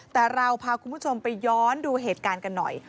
แต่เราพาคุณผู้ชมไปย้อนดูเหตุการณ์กันหน่อย